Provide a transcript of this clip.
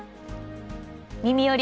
「みみより！